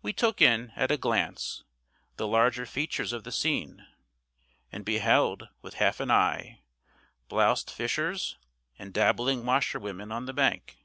We took in, at a glance, the larger features of the scene; and beheld, with half an eye, bloused fishers and dabbling washerwomen on the bank.